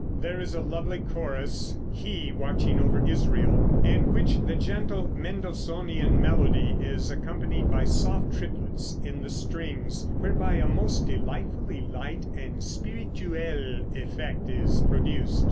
There is a lovely chorus, "He Watching over Israel," in which the gentle Mendelssohnian melody is accompanied by soft triplets in the strings, whereby a most delightfully light and spirituelle effect is produced.